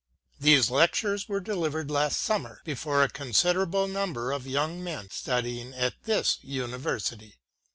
These Lectures were delivered last Summer before a considerable number of the young men studying at this University.